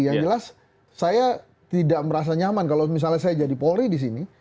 yang jelas saya tidak merasa nyaman kalau misalnya saya jadi polri di sini